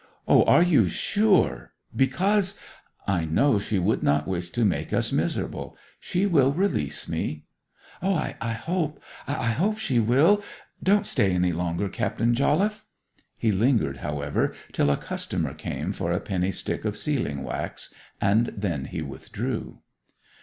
O, are you sure? Because—' 'I know she would not wish to make us miserable. She will release me.' 'O, I hope—I hope she will! Don't stay any longer, Captain Jolliffe!' He lingered, however, till a customer came for a penny stick of sealing wax, and then he withdrew.